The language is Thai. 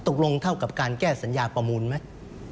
เท่ากับการแก้สัญญาประมูลไหม